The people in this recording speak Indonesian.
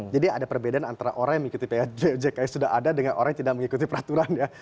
jadi ada perbedaan antara orang yang mengikuti pojk sudah ada dengan orang yang tidak mengikuti peraturan ya